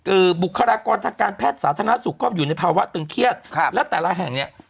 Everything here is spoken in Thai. บุคลากรทางการแพทย์สาธารณสุขก็อยู่ในภาวะตึงเครียดครับและแต่ละแห่งเนี้ย